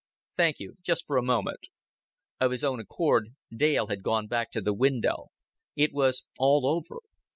"Thank you. Just for a moment." Of his own accord Dale had gone back to the window. It was all over.